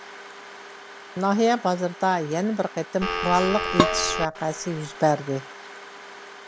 ناھىيە بازىرىدا يەنە بىر قېتىم قوراللىق ئېتىش ۋەقەسى يۈز بەردى.